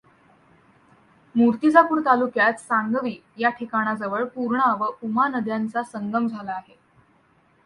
मूर्तिजापूर तालुक्यात सांगवी या ठिकाणाजवळ पूर्णा व उमा नद्यांचा संगम झाला आहे.